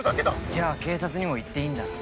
◆じゃあ、警察にも言っていいんだな。